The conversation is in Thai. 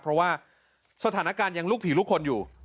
เพราะว่าสถานการณ์ยังลูกผีลูกคนอยู่